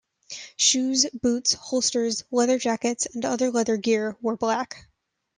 Shoes, boots, holsters, leather jackets and other leather gear were black.